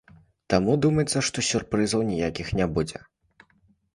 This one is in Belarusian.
Таму, думаецца, што сюрпрызаў ніякіх не будзе.